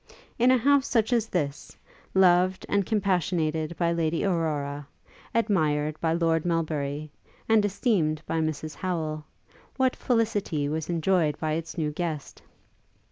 In a house such as this, loved and compassionated by Lady Aurora, admired by Lord Melbury, and esteemed by Mrs Howel, what felicity was enjoyed by its new guest!